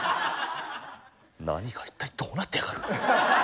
何が一体どうなってやがる？